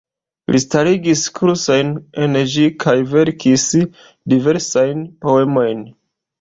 Li starigis kursojn en ĝi, kaj verkis diversajn poemojn.